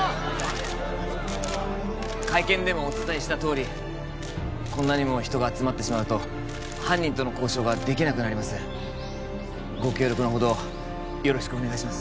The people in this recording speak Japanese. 会見でもお伝えしたとおりこんなにも人が集まってしまうと犯人との交渉ができなくなりますご協力のほどよろしくお願いします